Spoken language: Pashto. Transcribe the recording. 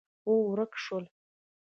او، ورک شول